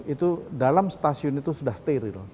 itu dalam stasiun itu sudah steril